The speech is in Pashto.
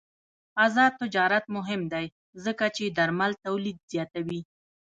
آزاد تجارت مهم دی ځکه چې درمل تولید زیاتوي.